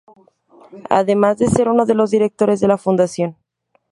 Además de ser uno de los directores de la Fundación.